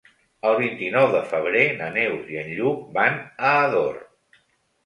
El vint-i-nou de febrer na Neus i en Lluc van a Ador.